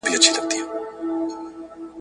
شيطاني پاڼي يې كړلې لاندي باندي !.